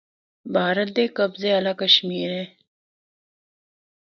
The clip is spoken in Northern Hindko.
بھارت دے قبضے آلہ کشمیر اے۔